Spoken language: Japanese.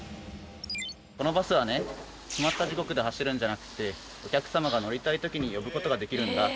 このバスはね決まった時刻で走るんじゃなくてお客様が乗りたい時に呼ぶことができるんだ。